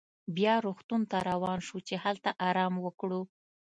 بیا روغتون ته روان شوو چې هلته ارام وکړو.